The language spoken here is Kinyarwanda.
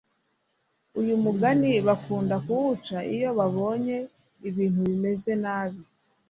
uyu mugani bakunda kuwuca iyo babonye ibintu bimeze nabi